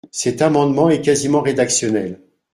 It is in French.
Cet amendement est quasiment rédactionnel.